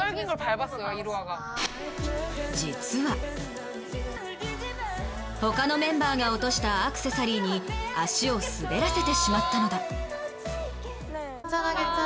実は他のメンバーが落としたアクセサリーに足を滑らせてしまったのだ。